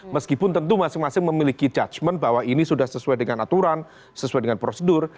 meskipun tentu masing masing memiliki judgement bahwa ini sudah sesuai dengan aturan sesuai dengan prosedur